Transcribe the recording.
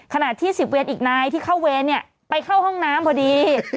ขณะที่๑๐เวรอีกนายที่เข้าเวรเนี่ยไปเข้าห้องน้ำพอดี